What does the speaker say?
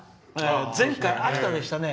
前回、秋田でしたね。